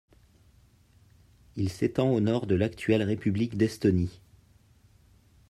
Il s'étend au nord de l'actuelle république d'Estonie.